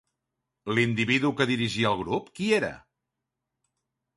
L'individu que dirigia el grup, qui era?